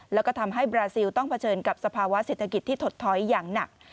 แล้วก็ทำให้บราซิลต้องเผชิญกับสภาวะเศรษฐกิจที่ถดถอยอย่างหนัก